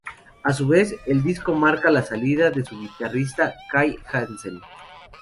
A su vez, el disco marca la salida de su guitarrista Kai Hansen.